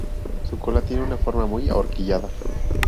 Su cola tiene una forma muy ahorquillada.